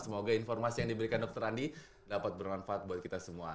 semoga informasi yang diberikan dokter andi dapat bermanfaat buat kita semua